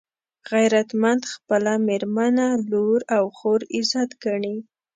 غیرتمند خپله مېرمنه، لور او خور عزت ګڼي